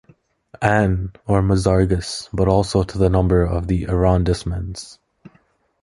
Anne or Mazargues, but also to the number of the arrondissements.